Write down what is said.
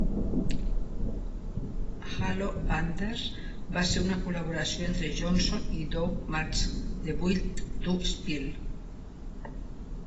Halo Benders va ser una col·laboració entre Johnson i Doug Martsch de Built To Spill.